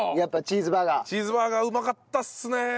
チーズバーガーうまかったっすねえ。